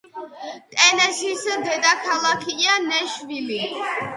ტენესის დედაქალაქია ნეშვილი.